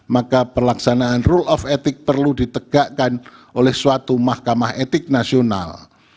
maka pelaksanaan rule of etik perlu ditegakkan oleh suatu mahkamah etik nasional